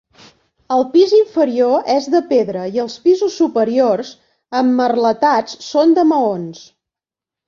El pis inferior és de pedra i els pisos superiors emmerletats són de maons.